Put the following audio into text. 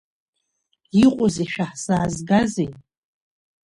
Иҟозеи, шәаҳзаазгазеи?